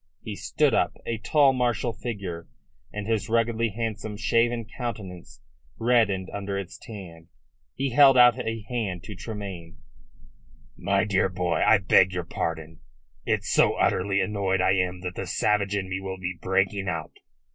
He stood up, a tall, martial figure, and his ruggedly handsome, shaven countenance reddened under its tan. He held out a hand to Tremayne. "My dear boy, I beg your pardon. It's so utterly annoyed I am that the savage in me will be breaking out.